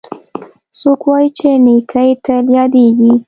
څوک وایي چې نیکۍ تل یادیږي